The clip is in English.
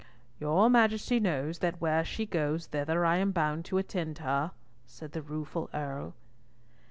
"Your Majesty knows that where she goes thither I am bound to attend her," said the rueful Earl.